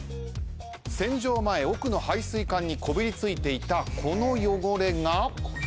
洗浄前奥の排水管にこびり付いていたこの汚れが。